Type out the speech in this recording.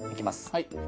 はい。